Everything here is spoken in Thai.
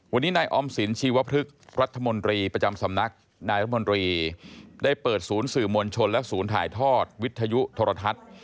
วันนี้นายออมสินชีวพฤกษ์รัฐมนตรีประจำสำนักนายรัฐมนตรีได้เปิดศูนย์สื่อมวลชนและศูนย์ถ่ายทอดวิทยุโทรทัศน์